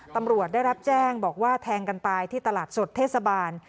ตำรวจได้รับแจ้งบอกว่าแทงกันตายที่ตลาดสดเทศบาล